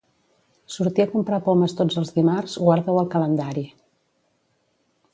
Sortir a comprar pomes tots els dimarts, guarda-ho al calendari.